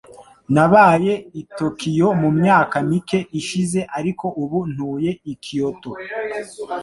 Nabaye i Tokiyo mu myaka mike ishize, ariko ubu ntuye i Kyoto.